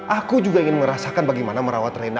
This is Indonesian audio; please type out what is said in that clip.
aku juga ingin merasakan bagaimana merawat rena